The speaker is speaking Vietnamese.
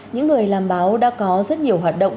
những người làm báo đã có rất nhiều hoạt động